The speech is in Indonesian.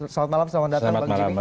selamat malam selamat datang bang jimmy